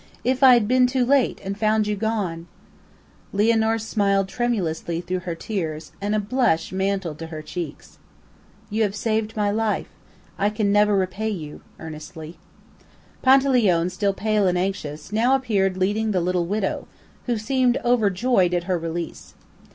"If I had been too late, and found you gone!" Lianor smiled tremulously through her tears, and a blush mantled to her cheeks. "You have saved my life. I can never repay you," earnestly. Panteleone, still pale and anxious, now appeared leading the little widow, who seemed overjoyed at her release.